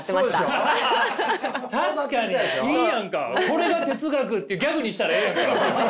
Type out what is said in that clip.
「これが哲学」ってギャグにしたらええやんか！